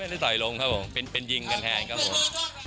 ได้ต่อยลงครับผมเป็นยิงกันแทนครับผม